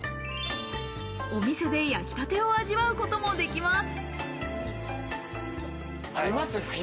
お店で、焼きたてを味わうこともできます。